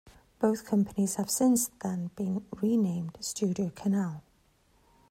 Both companies have since then been renamed StudioCanal.